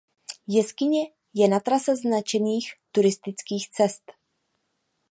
Jeskyně je na trase značených turistických cest.